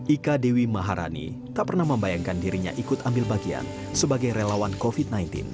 ika dewi maharani tak pernah membayangkan dirinya ikut ambil bagian sebagai relawan covid sembilan belas